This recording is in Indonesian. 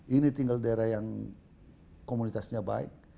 ini tinggal daerah yang komunitasnya baik